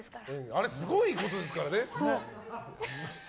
あれ、すごいことですからね。